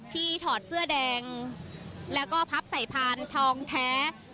ถอดเสื้อแดงแล้วก็พับใส่พานทองแท้